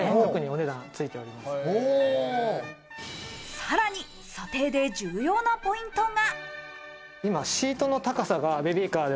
さらに、査定で重要なポイントが。